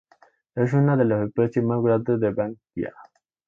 Es una de las especies más grandes de "Banksia".